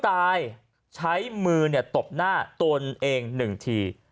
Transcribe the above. ท้ายมือตบหน้าตนเองหนึ่งที